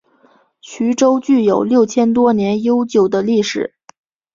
徐州具有六千多年悠久的历史。